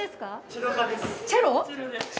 チェロです。